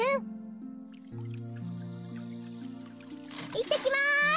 いってきます！